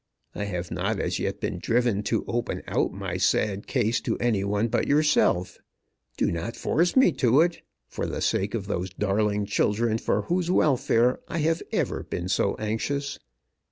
I have not as yet been driven to open out my sad case to any one but yourself. Do not force me to it, for the sake of those darling children for whose welfare I have ever been so anxious.